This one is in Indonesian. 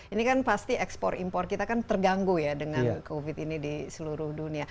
ini kan pasti ekspor impor kita kan terganggu ya dengan covid ini di seluruh dunia